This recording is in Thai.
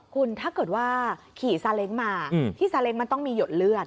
คุณถ้าเกิดว่าขี่ซาเล้งมาที่ซาเล้งมันต้องมีหยดเลือด